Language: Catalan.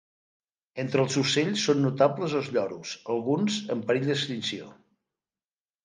Entre els ocells són notables els lloros, alguns en perill d'extinció.